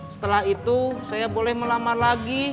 setelah itu saya boleh melamar lagi